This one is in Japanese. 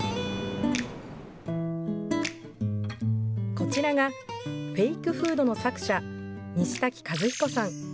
こちらがフェイクフードの作者、西滝一彦さん。